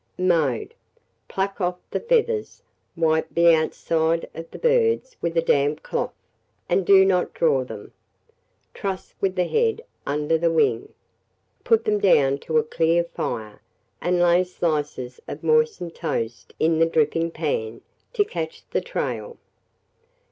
Mode. Pluck off the feathers, wipe the outside of the birds with a damp cloth, and do not draw them; truss with the head under the wing, put them down to a clear fire, and lay slices of moistened toast in the dripping pan, to catch the trail.